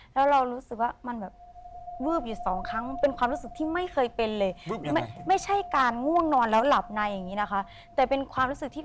แล้วเรารู้สึกว่ามันแบบ